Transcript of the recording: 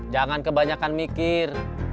jangan kebanyakan mikir